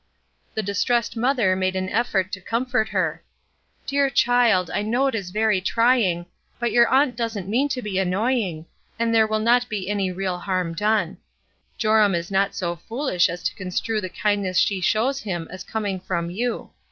'' The distressed mother made an effort to com fort her. " Dear child, I know it is very trying, but your aunt doesn't mean to be annoying; and there will not be any real harm done. Joram is not so foolish as to construe the kind ness she shows him as coming from you.